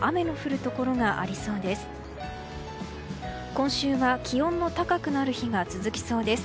今週は気温も高くなる日が続きそうです。